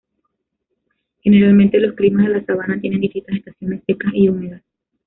Generalmente, los climas de la sabana tienen distintas estaciones secas y húmedas.